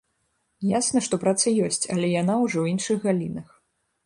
Ясна, што праца ёсць, але яна ўжо ў іншых галінах.